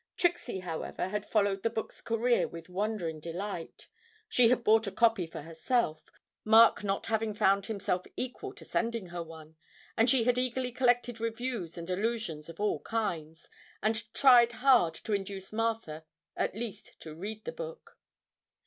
Trixie, however, had followed the book's career with wondering delight; she had bought a copy for herself, Mark not having found himself equal to sending her one, and she had eagerly collected reviews and allusions of all kinds, and tried hard to induce Martha at least to read the book.